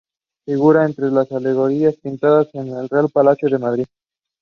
Sarah has also captained Ireland.